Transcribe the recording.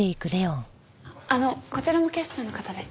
あのこちらも警視庁の方で。